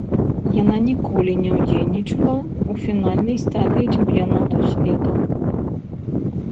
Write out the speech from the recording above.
Яна ніколі не ўдзельнічала ў фінальнай стадыі чэмпіянату свету.